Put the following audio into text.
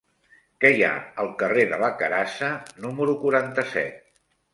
Què hi ha al carrer de la Carassa número quaranta-set?